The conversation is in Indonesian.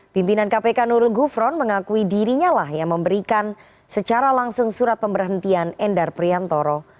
pimpinan kpk nurul gufron mengakui dirinya lah yang memberikan secara langsung surat pemberhentian endar priantoro